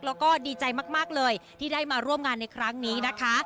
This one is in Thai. แล้วก็ดีใจมากเลยที่ได้มาร่วมงานในครั้งนี้นะคะ